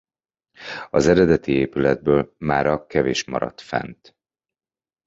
Az eredeti épületből mára kevés maradt fent.